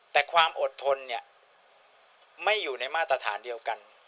แต่ความอดทนเนี่ยไม่อยู่ในมาตรฐานเดียวกัน